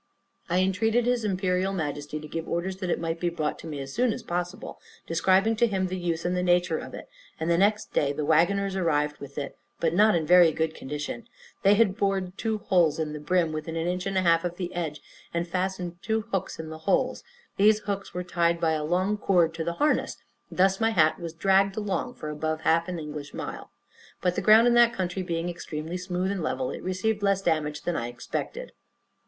I intreated his Imperial Majesty to give orders it might be brought to me as soon as possible, describing to him the use and the nature of it; and the next day the wagoners arrived with it, but not in a very good condition; they had bored two holes in the brim, within an inch and a half of the edge, and fastened two hooks in the holes; these hooks were tied by a long cord to the harness, and thus my hat was dragged along for above half an English mile; but, the ground in that country being extremely smooth and level, it received less damage than I expected.